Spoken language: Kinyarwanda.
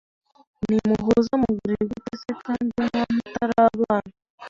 Ntimuhuza mu buriri gute se kandi muba mutarabana?